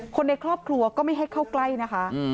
คนในครอบครัวก็ไม่ให้เข้าใกล้นะคะ